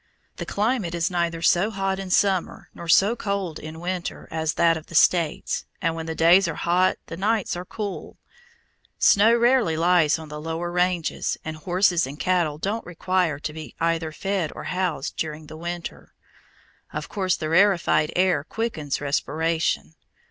The climate is neither so hot in summer nor so cold in winter as that of the States, and when the days are hot the nights are cool. Snow rarely lies on the lower ranges, and horses and cattle don't require to be either fed or housed during the winter. Of course the rarefied air quickens respiration.